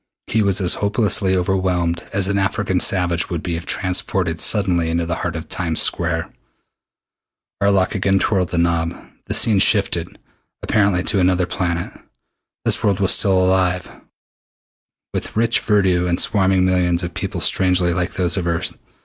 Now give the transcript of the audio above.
He was as hopelessly overwhelmed as an African savage would be if transported suddenly into the heart of Times Square. Arlok again twirled the knob. The scene shifted, apparently to another planet. This world was still alive, with rich verdure and swarming millions of people strangely like those of Earth.